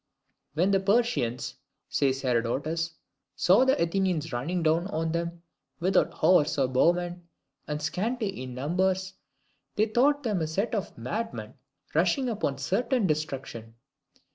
"When the Persians," says Herodotus, "saw the Athenians running down on them, without horse or bowmen, and scanty in numbers, they thought them a set of madmen rushing upon certain destruction."